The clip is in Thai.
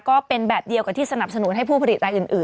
ก็เป็นแบบเดียวกับที่สนับสนุนให้ผู้ผลิตรายอื่น